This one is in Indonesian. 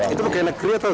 itu pegawai negeri atau